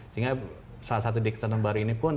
sehingga salah satu diktenan baru ini pun